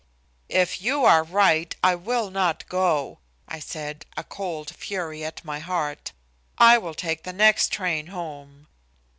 "If you are right, I will not go," I said, a cold fury at my heart. "I will take the next train home."